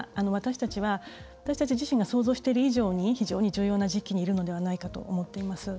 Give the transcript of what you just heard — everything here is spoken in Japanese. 私たち自身が想像している以上に非常に重要な時期にいるのではないかと思います。